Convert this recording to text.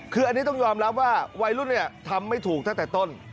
คืออันนี้ต้องยอมรับว่าวัยรุ่นทำไม่ถูกตั้งแต่ต้น